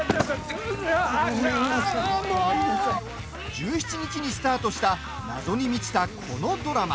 １７日にスタートした謎に満ちた、このドラマ。